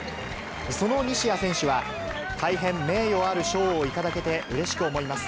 その西矢選手は、大変名誉ある章を頂けてうれしく思います。